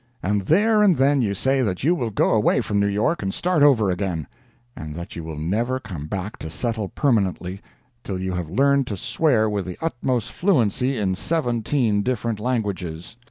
And there and then you say that you will go away from New York and start over again; and that you will never come back to settle permanently till you have learned to swear with the utmost fluency in seventeen different languages.